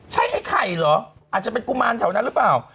ใช่ไอ้ไข่เหรออาจจะเป็นกุมารแถวนั้นหรือเปล่า